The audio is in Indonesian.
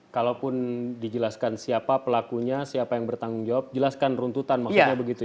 kalaupun dijelaskan siapa pelakunya siapa yang bertanggung jawab jelaskan runtutan maksudnya begitu ya